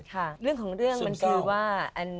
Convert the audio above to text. ค่ะเรื่องของเรื่องมันคือว่า